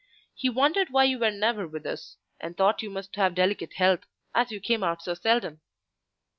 "He wondered why you were never with us, and thought you must have delicate health, as you came out so seldom."